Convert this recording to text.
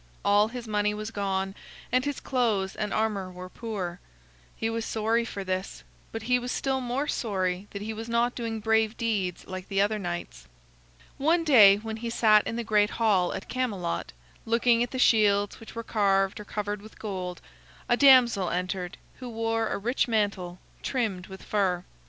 All his money was gone, and his clothes and armor were poor. He was sorry for this, but he was still more sorry that he was not doing brave deeds like the other knights. One day when he sat in the great hall at Camelot, looking at the shields which were carved or covered with gold, a damsel entered who wore a rich mantle, trimmed with fur.